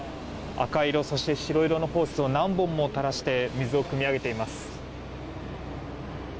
赤色、白色のホースを何本もたらして水をくみ上げています。